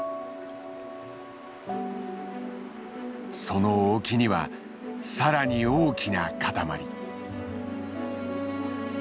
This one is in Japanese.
その沖にはさらに大きな塊。